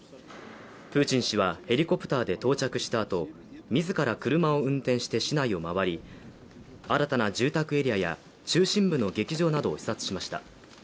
プーチン氏はヘリコプターで到着したあと、自ら車を運転して市内を回り新たな住宅エリアや中心部の劇場などを視察しました。